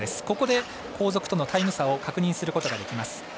ここで後続とのタイム差を確認することができます。